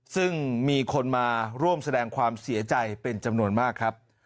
ซึ่งมีคนมาร่วมแสดงความเสียใจเป็นจำนวนมากครับ